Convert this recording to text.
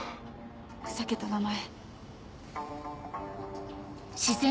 ふざけた名前。